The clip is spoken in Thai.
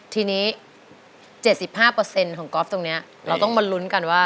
ทีนี้๗๕ของก๊อฟตรงนี้เราต้องมาลุ้นกันว่า